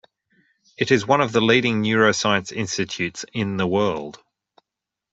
It is one of the leading neuroscience institutes in the world.